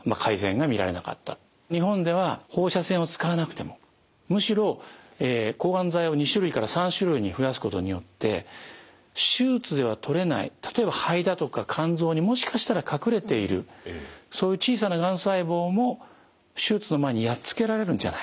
日本では放射線を使わなくてもむしろ抗がん剤を２種類から３種類に増やすことによって手術では取れない例えば肺だとか肝臓にもしかしたら隠れているそういう小さながん細胞も手術の前にやっつけられるんじゃないか。